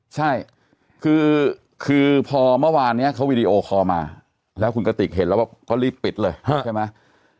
ใช่คือพอเมื่อวานนี้เขาวีดีโอคอลมาแล้วคุณกติกเห็นแล้วก็รีบปิดเลยใช่ไหม